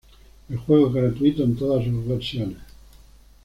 El juego es gratuito en todas sus versiones.